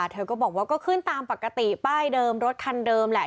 เธอก็บอกว่าก็ขึ้นตามปกติป้ายเดิมรถคันเดิมแหละ